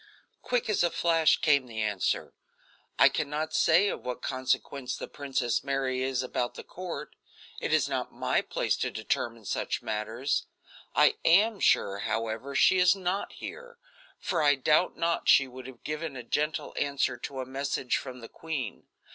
Quick as a flash came the answer: "I can not say of what consequence the Princess Mary is about the court; it is not my place to determine such matters. I am sure, however, she is not here, for I doubt not she would have given a gentle answer to a message from the queen.